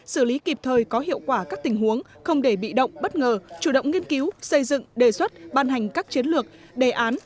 xử lý kịp thời có hiệu quả các tình huống không để bị động bất ngờ chủ động nghiên cứu xây dựng đề xuất ban hành các chiến lược đề án